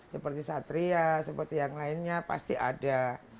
seperti satria seperti yang lainnya pasti ada